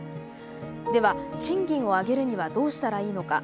では賃金を上げるにはどうしたらいいのか。